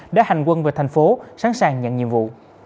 đã hành quân về thành phố sẵn sàng nhận nhiệm vụ